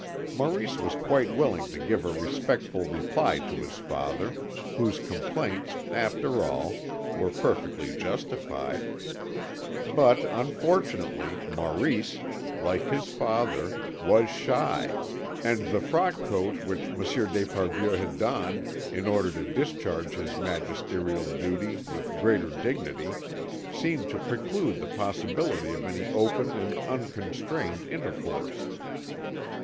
Maurice was quite willing to give a respectful reply to his father, whose complaints, after all, were perfectly justified; but, unfortunately, Maurice, like his father, was shy, and the frock coat which Monsieur d'Esparvieu had donned in order to discharge his magisterial duty with greater dignity seemed to preclude the possibility of any open and unconstrained intercourse.